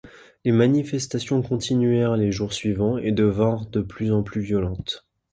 Les manifestations continuèrent les jours suivants et devinrent de plus en plus violentes.